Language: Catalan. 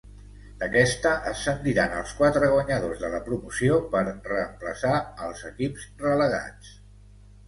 D'aquesta, ascendiran els quatre guanyadors de la promoció per reemplaçar als equips relegats.